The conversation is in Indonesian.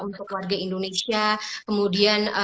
untuk warga indonesia kemudian